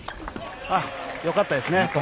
よかったですね。